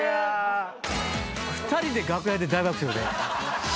２人で楽屋で大爆笑で。